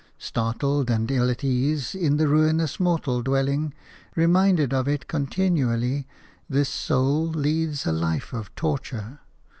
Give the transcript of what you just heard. Startled and ill at ease in the ruinous mortal dwelling, reminded of it continually, this soul leads a life of torture.